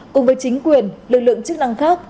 cùng với chính quyền lực lượng chức năng khác